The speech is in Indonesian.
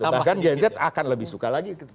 bahkan gen z akan lebih suka lagi